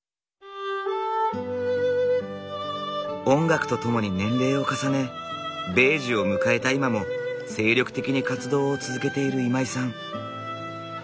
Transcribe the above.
音楽と共に年齢を重ね米寿を迎えた今も精力的に活動を続けている今井さん。